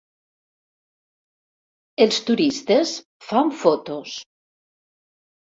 Els turistes fan fotos.